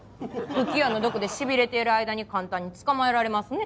吹き矢の毒でしびれている間に簡単につかまえられますね。